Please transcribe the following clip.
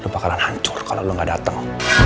lo bakalan hancur kalau lo gak dateng